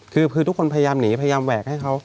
คือทุกคนพยายามหนีพยายามแหวกให้เขา